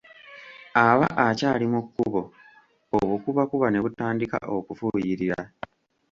Aba akyali mu kkubo, obukubakuba ne butandika okufuuyirira.